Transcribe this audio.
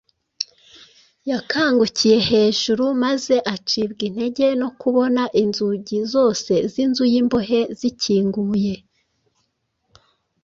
Yakangukiye hejuru maze acibwa intege no kubona inzugi zose z’inzu y’imbohe zikinguye.